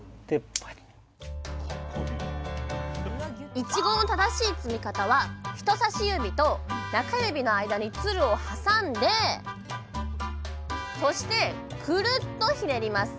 いちごの正しい摘み方は人さし指と中指の間につるを挟んでそしてくるっとひねります。